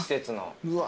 うわ。